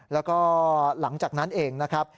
แล้วก็หลังจากนั้นเองนะครับ